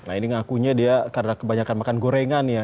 nah ini ngakunya dia karena kebanyakan makan gorengan ya